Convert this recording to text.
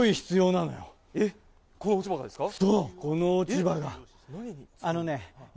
この落ち葉ですか？